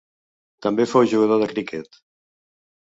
També fou jugador de criquet.